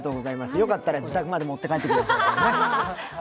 よかったら自宅まで持って帰って。